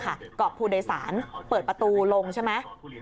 เกาะผู้โดยสารเปิดประตูลงใช่ไหม